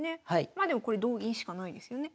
まあでもこれ同銀しかないですよね。